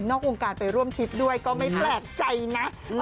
วงการไปร่วมทริปด้วยก็ไม่แปลกใจนะ